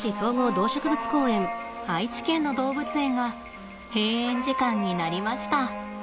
愛知県の動物園が閉園時間になりました。